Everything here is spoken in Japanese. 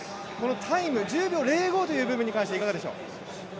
タイム１０秒０５という部分に関してはいかがでしょう？